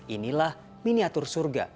inilah miniatur surga